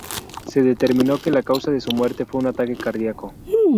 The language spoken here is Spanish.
Se determinó que la causa de su muerte fue un ataque cardíaco.